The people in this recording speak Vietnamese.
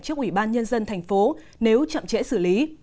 trước ủy ban nhân dân thành phố nếu chậm trễ xử lý